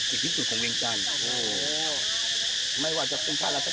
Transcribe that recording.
พิธีพิธีความวายก็เป็นอย่างนี้